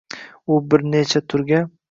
U bir necha turga